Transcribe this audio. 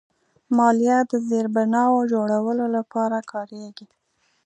مالیه د زیربناوو جوړولو لپاره کارېږي.